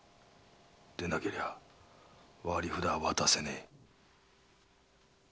でなけりゃ割り札は渡せねえ。